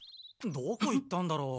どこ行ったんだろう？